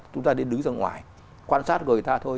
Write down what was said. chúng ta đến đứng ra ngoài quan sát người ta thôi